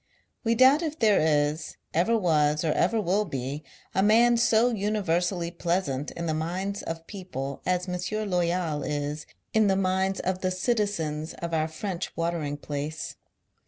We doubt if there is, ever was?, or ever will be, a man so uuiversally pleasant in the minds of people as M. Loyal is in the minds of the citizens of our French watering place.